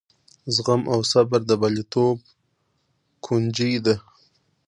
زغم او صبر د بریالیتوب کونجۍ ده.